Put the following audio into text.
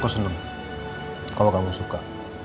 aku senang kalau kamu suka